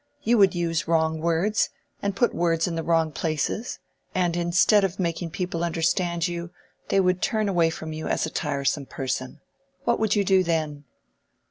You would use wrong words, and put words in the wrong places, and instead of making people understand you, they would turn away from you as a tiresome person. What would you do then?"